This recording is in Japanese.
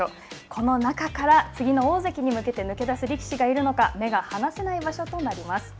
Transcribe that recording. この中から、次の大関に向けて抜け出す力士がいるのか、目が離せない場所となります。